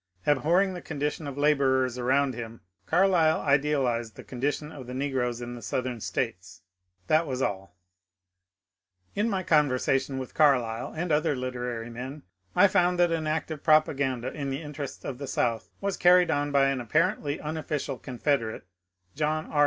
Abhorring the con dition of labourers around him, Carlyle idealized the condi tion of the negroes in the Southern States ; that was all. 410 MONCURE DANIEL CONWAY In my conversation with Carlyle and other literary men I found that an active propaganda in the interest of the South was carried on by an apparently unofficial Confederate, John R.